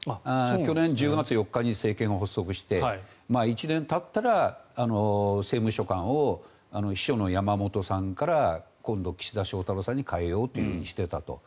去年１０月４日に政権を発足して１年たったら政務秘書官を秘書の山本さんから今度、岸田翔太郎さんに代えようとしていたと。